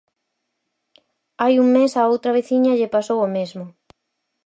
Hai un mes a outra veciña lle pasou o mesmo.